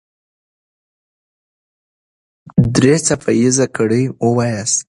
درې څپه ايزه ګړې وواياست.